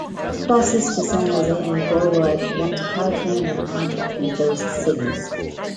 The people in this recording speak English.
Buses to San Jose and Gilroy connect to Caltrain and Amtrak in those cities.